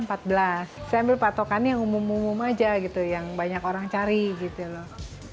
saya ambil patokan yang umum umum aja gitu yang banyak orang cari gitu loh